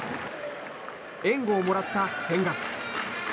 援護をもらった千賀。